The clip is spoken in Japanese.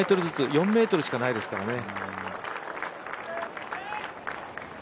４ｍしかないですからね。